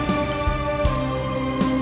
jangan lupa untuk mencoba